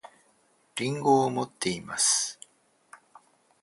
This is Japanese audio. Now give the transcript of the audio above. りんごを持っています